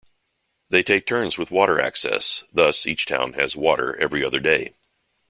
They take turns with water access, thus each town has water every other day.